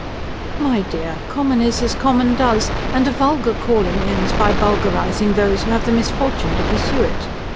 "My dear, common is as common does; and a vulgar calling ends by vulgarising those who have the misfortune to pursue it.